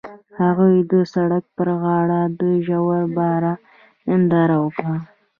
هغوی د سړک پر غاړه د ژور باران ننداره وکړه.